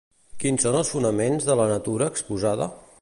Quins són els fonaments de La natura exposada?